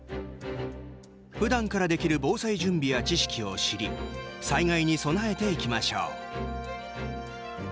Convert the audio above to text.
ふだんからできる防災準備や知識を知り災害に備えていきましょう。